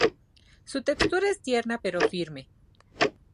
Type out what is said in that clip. Su textura es tierna pero firme.